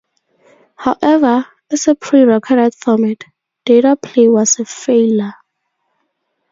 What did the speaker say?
However, as a pre-recorded format, DataPlay was a failure.